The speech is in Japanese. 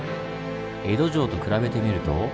江戸城と比べてみると。